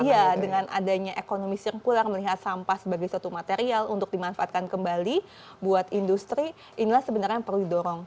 iya dengan adanya ekonomi sirkular melihat sampah sebagai suatu material untuk dimanfaatkan kembali buat industri inilah sebenarnya yang perlu didorong